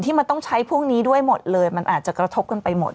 มันต้องใช้พวกนี้ด้วยหมดเลยมันอาจจะกระทบกันไปหมด